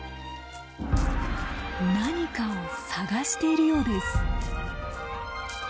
何かを探しているようです。